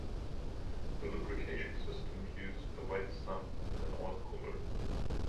The lubrication system used a wet sump and an oil cooler.